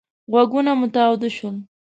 غوږونه مو تاوده شول.